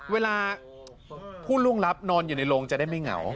เวลาผู้ล่วงลับนอนอยู่ในโรงจะได้ไม่เหงา